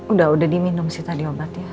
udah udah diminum sih tadi obatnya